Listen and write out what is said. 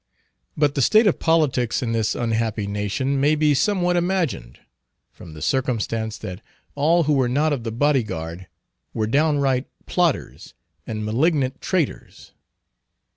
But the state of politics in this unhappy nation may be somewhat imagined, from the circumstance that all who were not of the body guard were downright plotters and malignant traitors.